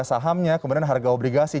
sahamnya kemudian harga obligasi